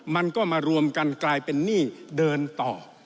มันก็มารวมกันกลายเป็นหนี้เดินต่อ